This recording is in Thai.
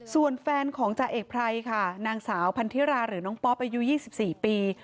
ส่วนแฟนของจ่าเอกไพรค่ะนางสาวพันธิราหรือน้องป๊อปอายุ๒๔ปี